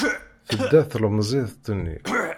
Tedda tlemmiẓt-nni.